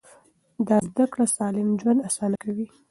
دا زده کړه سالم ژوند اسانه کوي.